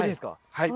はい。